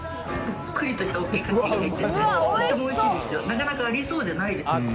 なかなかありそうでないです。